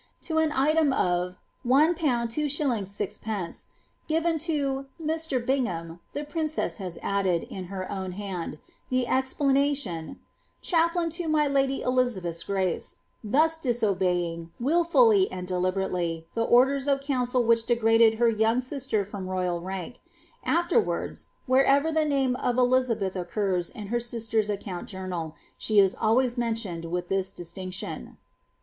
To an item (^ R 2cli given ^ to Mr. Bingham," the princess has added, in her own hand,d explanation, ^ chaplain to my lady Elizabeth's grace,'' thus disobejii wilfully and deliberately, the orders of council which degiadsd h young sister from royal rank ; aflerwards, wherever the name of Elil beth occurs in her sister's account journal, she is alwajrs mentioned vi this distinction.